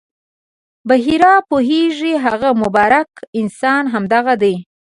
بحیرا پوهېږي هغه مبارک انسان همدغه دی.